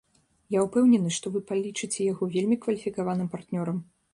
Я ўпэўнены, што вы палічыце яго вельмі кваліфікаваным партнёрам.